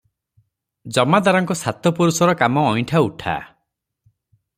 ଜମାଦାରଙ୍କ ସାତ ପୁରୁଷର କାମ ଅଇଣ୍ଠା ଉଠା ।